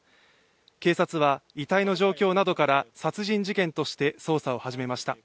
警察は遺体の状況などから、殺人事件として捜査を始めました。